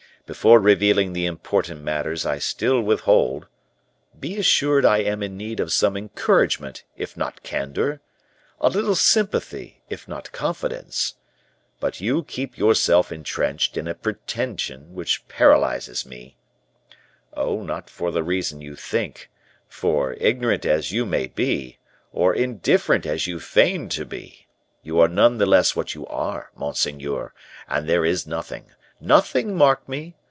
Before revealing the important matters I still withhold, be assured I am in need of some encouragement, if not candor; a little sympathy, if not confidence. But you keep yourself intrenched in a pretended which paralyzes me. Oh, not for the reason you think; for, ignorant as you may be, or indifferent as you feign to be, you are none the less what you are, monseigneur, and there is nothing nothing, mark me!